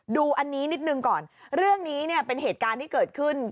ดูอันนี้นิดนึงก่อนเรื่องนี้เนี่ยเป็นเหตุการณ์ที่เกิดขึ้น